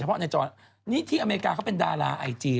ทำให้มันมีกระแส